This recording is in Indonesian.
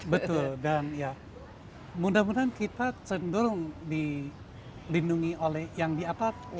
betul dan ya mudah mudahan kita cenderung dilindungi oleh yang di atas